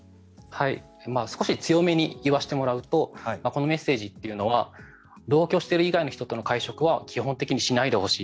強めに言わせてもらうとメッセージというのは同居している人以外との会食は基本的にしないでほしい。